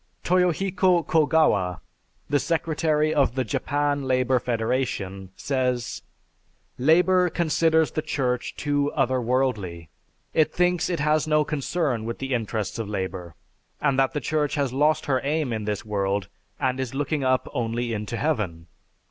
Toyohiko Kogawa, the secretary of the Japan Labor Federation, says: "Labor considers the Church too other worldly. It thinks it has no concern with the interests of labor; and that the Church has lost her aim in this world and is looking up only into heaven.